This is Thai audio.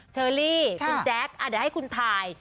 เชอรี่คุณแจ๊คเดี๋ยวให้คุณถ่าย